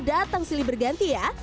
datang silih berganti ya